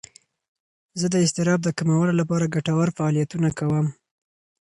زه د اضطراب د کمولو لپاره ګټور فعالیتونه کوم.